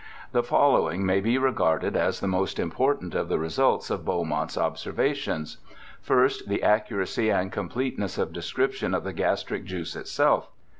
The following may be regarded as the most important of the results of Beaumont's observations : First, the accuracy and completeness of description of the gastric juice itself.